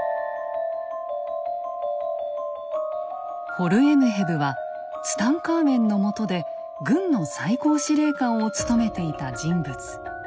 ホルエムヘブはツタンカーメンの下で軍の最高司令官を務めていた人物。